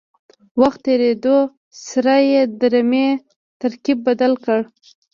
وخت تېرېدو سره یې د رمې ترکیب بدل کړ.